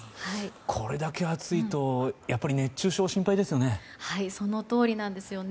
これだけ暑いと熱中症が心配ですよね。